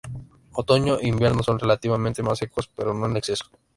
Otoño e invierno son relativamente más secos, pero no en exceso.